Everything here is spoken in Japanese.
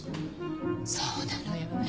そうなのよね。